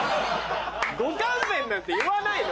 「ご勘弁」なんて言わないの。